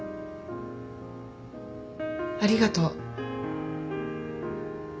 ありがとう。